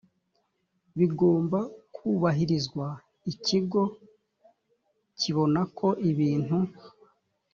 bigomba kubahirizwa ikigo kibonako ibintu